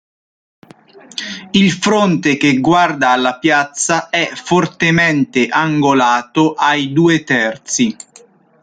Il fronte che guarda alla piazza è fortemente angolato ai due terzi.